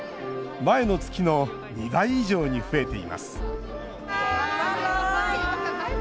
前の月の２倍以上に増えています。